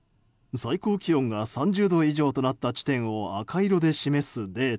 最高気温が３０度以上となった地点を赤色で示すデータ。